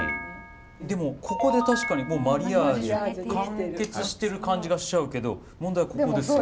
でもここで確かにマリアージュ完結してる感じがしちゃうけど問題はここですよ。